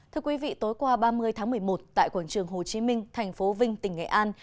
thưa quý vị tối qua ba mươi tháng một mươi một tại quảng trường hồ chí minh thành phố vinh tỉnh nghệ an